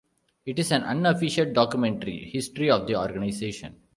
It is an unofficial documentary history of the organization.